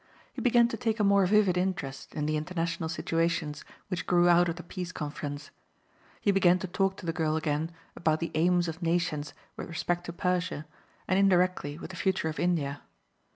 He began to take a more vivid interest in the international situations which grew out of the Peace Conference. He began to talk to the girl again about the aims of nations with respect to Persia and indirectly with the future of India.